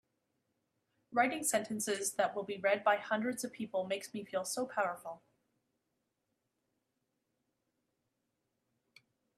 Writing sentences that will be read by hundreds of people makes me feel so powerful!